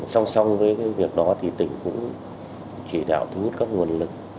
song song với việc đó thì tỉnh cũng chỉ đạo thu hút các nguồn lực